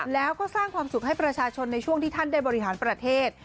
แล้วก็สร้างความสุขให้ประชาชนในช่วงที่ท่านได้บริหารประเทศ